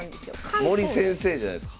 森先生じゃないすか？